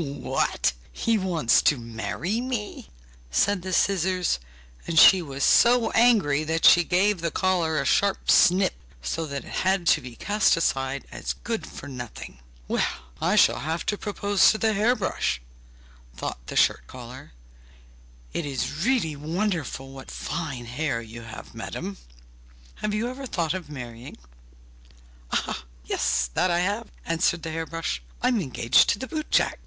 'What! He wants to marry me?' said the scissors, and she was so angry that she gave the collar a sharp snip, so that it had to be cast aside as good for nothing. 'Well, I shall have to propose to the hair brush!' thought the shirt collar. 'It is really wonderful what fine hair you have, madam! Have you never thought of marrying?' 'Yes, that I have!' answered the hair brush; 'I'm engaged to the boot jack!